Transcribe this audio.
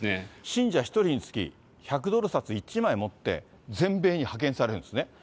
信者１人につき、１００ドル札１枚持って、全米に派遣されるんですね。